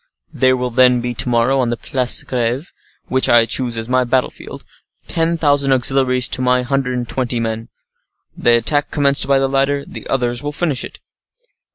"There will then be, to morrow, on the Place de Greve, which I choose as my battle field, ten thousand auxiliaries to my hundred and twenty men. The attack commenced by the latter, the others will finish it."